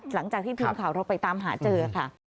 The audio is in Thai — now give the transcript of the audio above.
หลังจากที่ทีมข่าวเราไปตามหาเจอค่ะ